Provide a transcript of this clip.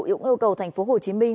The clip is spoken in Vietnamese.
yêu cầu thành phố hồ chí minh